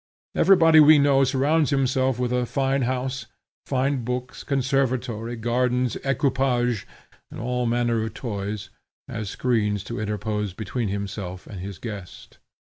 Every body we know surrounds himself with a fine house, fine books, conservatory, gardens, equipage and all manner of toys, as screens to interpose between himself and his guest.